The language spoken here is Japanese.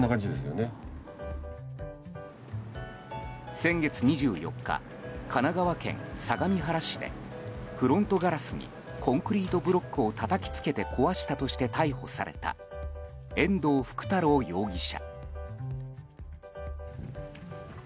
先月２４日神奈川県相模原市でフロントガラスにコンクリートブロックを叩きつけて壊したとして逮捕された遠藤福太郎容疑者。